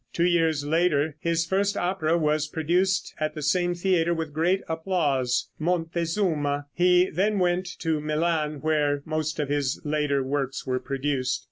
Two years later his first opera was produced at the same theater with great applause, "Montezuma." He then went to Milan, where most of his later works were produced.